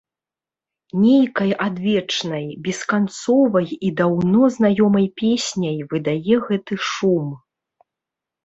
Нейкай адвечнай, бесканцовай і даўно знаёмай песняй выдае гэты шум.